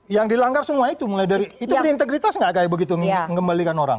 yang dilanggar semua itu mulai dari itu berintegritas nggak kayak begitu mengembalikan orang